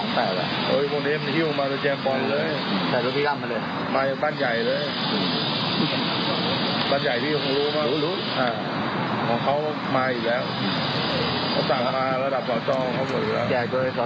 นี่แหละมันกลัวเกมนี้แหละเพราะว่าคราวอีกแล้วก็เหมือนว่าเป๊ะแหละ